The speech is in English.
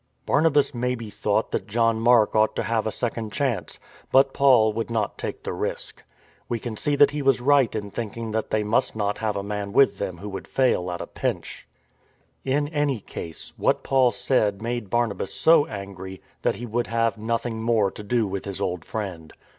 Barna bas maybe thought that John Mark ought to have a second chance; but Paul would not take the risk. We can see that he was right in thinking that they must not have a man with them who would fail at a pinch. In any case, what Paul said made Barnabas so angry that he would have nothing more to do with his old friend.